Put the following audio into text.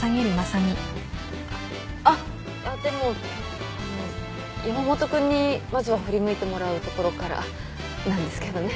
あっあっでもあの山本君にまずは振り向いてもらうところからなんですけどね。